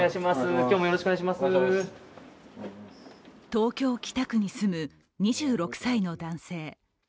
東京・北区に住む２６歳の男性。